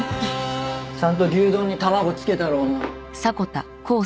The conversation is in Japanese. ちゃんと牛丼に卵付けたろうな？